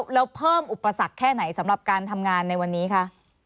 แล้วเพิ่มอุปสรรคแค่ไหนสำหรับการทำงานในวันนี้คะ